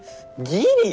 ギリ？